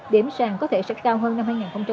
điểm sàng có thể sẽ cao hơn năm hai nghìn một mươi tám